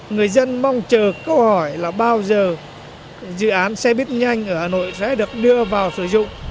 người dân mong chờ câu hỏi là bao giờ dự án xe bít nhanh ở hà nội sẽ được đưa vào sử dụng